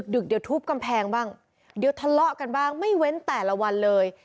ึกเดี๋ยวทุบกำแพงบ้างเดี๋ยวทะเลาะกันบ้างไม่เว้นแต่ละวันเลย